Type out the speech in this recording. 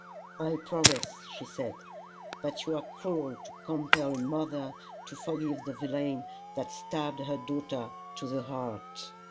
"I promise," she said. "But you are cruel to compel a mother to forgive the villain that stabbed her daughter to the heart."